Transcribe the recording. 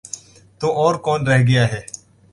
تو اور کون رہ گیا ہے؟